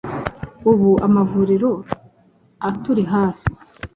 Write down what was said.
Ubu amavuriro aturi hafi